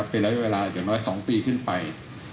เป็นระยะเวลาอย่างน้อย๒ปีขึ้นไป